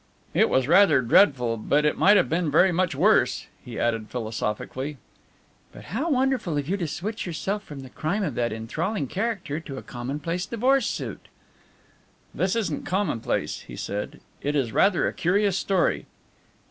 "It was rather dreadful, but it might have been very much worse," he added philosophically. "But how wonderful of you to switch yourself from the crime of that enthralling character to a commonplace divorce suit." "This isn't commonplace," he said, "it is rather a curious story."